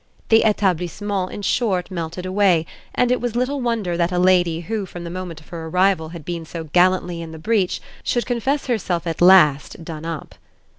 The Etablissement in short melted away, and it was little wonder that a lady who from the moment of her arrival had been so gallantly in the breach should confess herself it last done up.